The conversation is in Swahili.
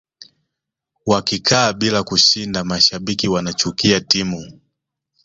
wakikaa bila kushinda mashabiki wanachukia timu